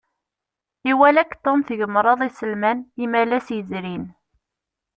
Iwala-k Tom tgemreḍ iselman Imalas yezrin.